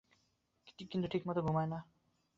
কিন্তু ঠিকমত ঘুম হয় না।